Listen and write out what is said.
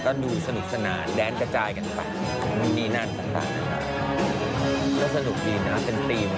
ก็ดูสนุกสนานแดนกระจายกันค่ะมีดีนั่นสนุกดีนะเพิ่งฟรีม